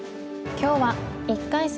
今日は１回戦